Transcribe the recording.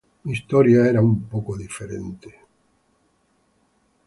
Mi historia era un poco diferente.